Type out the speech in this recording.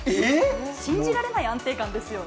信じられない安定感ですよね。